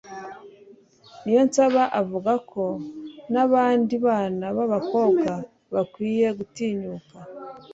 niyonsaba avuga ko n'abandi bana b'abakobwa bakwiye gutinyuka